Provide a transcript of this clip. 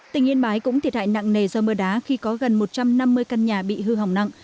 tỉnh yên bái cũng thiệt hại nặng nề do mưa đá khi có gần một trăm năm mươi căn nhà bị hư hỏng nặng